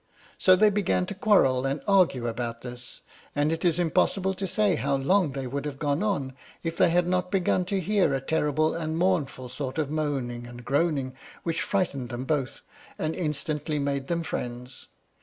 So they began to quarrel and argue about this, and it is impossible to say how long they would have gone on if they had not begun to hear a terrible and mournful sort of moaning and groaning, which frightened them both and instantly made them friends.